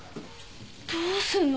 どうすんの！？